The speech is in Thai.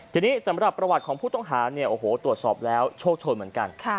ทีนี้สำหรับประวัติของผู้ต้องหาเนี่ยโอ้โหตรวจสอบแล้วโชคโชนเหมือนกัน